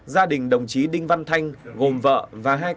gia đình đồng chí đinh văn thanh gồm vợ và hai con